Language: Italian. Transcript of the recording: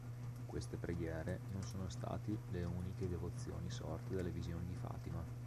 Queste preghiere non sono stati le uniche devozioni sorte dalle visioni di Fatima.